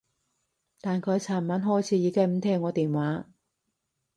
但佢噚晚開始已經唔聽我電話